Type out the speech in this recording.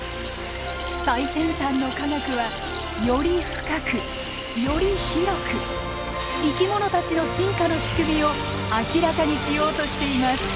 最先端の科学はより深くより広く生き物たちの進化のしくみを明らかにしようとしています。